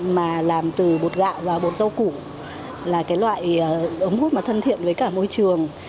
mà làm từ bột gạo và bột rau củ là cái loại ống hút mà thân thiện với cả môi trường